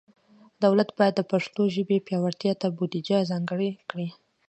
دولت باید د پښتو ژبې پیاوړتیا ته بودیجه ځانګړي کړي.